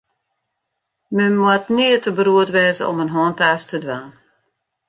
Men moat nea te beroerd wêze om in hantaast te dwaan.